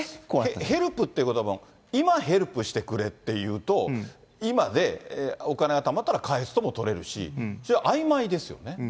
ヘルプっていうことはもう、今ヘルプしてくれっていうと、今お金があったら返すともとれるし、それはあいまいですよね。